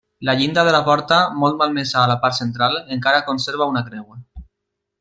La llinda de la porta, molt malmesa a la part central, encara conserva una creu.